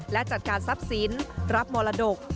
และจัดการทรัพย์สินรับมรดก